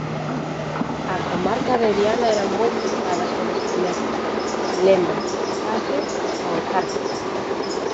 "A comarca de Viana era moi pechada sobre si mesma", lembra, "case autárquica".